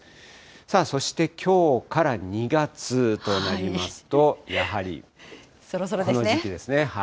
そしてきょうから２月となりますと、やはりこの時期ですね。